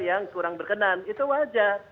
yang kurang berkenan itu wajar